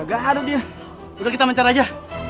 gagal tuh dia udah kita mencar aja